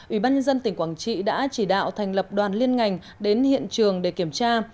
ủy ban nhân dân tỉnh quảng trị đã chỉ đạo thành lập đoàn liên ngành đến hiện trường để kiểm tra